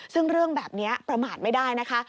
ซึ่งเรื่องแบบนี้ประมาทไม่ได้นะคะ